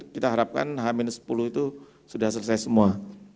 kita harapkan h sepuluh itu sudah selesai semua